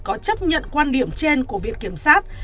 có chấp nhận quan điểm trên của viện kiểm sát